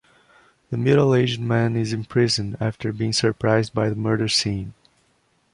The middle-aged man is imprisoned, after being surprised by the murder scene.